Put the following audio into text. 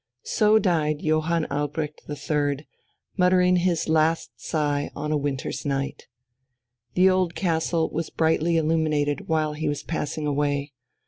So died Johann Albrecht the Third, uttering his last sigh on a winter's night. The old castle was brightly illuminated while he was passing away.